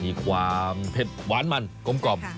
มีความเผ็ดหวานมันกลม